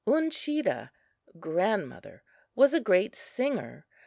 Uncheedah (grandmother) was a great singer.